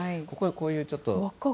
ここがこういうちょっと。